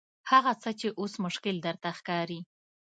هغه څه چې اوس مشکل درته ښکاري.